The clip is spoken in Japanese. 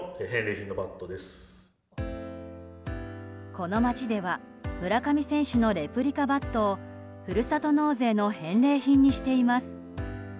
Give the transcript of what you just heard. この町では村上選手のレプリカバットをふるさと納税の返礼品にしています。